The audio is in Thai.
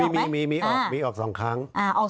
มีออกสองครั้ง